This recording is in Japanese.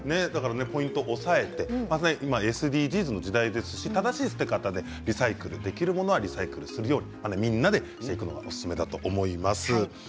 ポイントを押さえて今、ＳＤＧｓの時代ですし正しい捨て方でリサイクルできるものをリサイクルするようみんなでするのがおすすめだと思います。